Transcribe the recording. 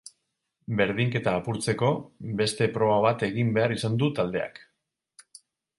Berdinketa apurtzeko, beste proba bat egin behar izan du taldeak.